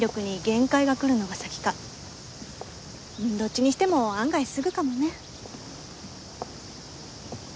どっちにしても案外すぐかもね。